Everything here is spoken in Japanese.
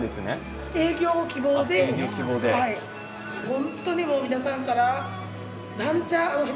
本当にもう皆さんから。